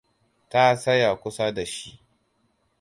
Ta tsaya kusa da shi.